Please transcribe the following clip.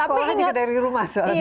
sekolah juga dari rumah soalnya